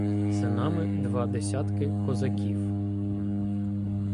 За нами — два десятки козаків.